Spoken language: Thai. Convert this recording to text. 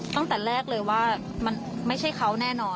ตั้งแต่แรกเลยว่ามันไม่ใช่เขาแน่นอน